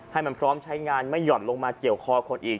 ให้มันพร้อมใช้งานไม่หย่อนลงมาเกี่ยวคอคนอีก